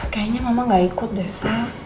kayaknya mama gak ikut desi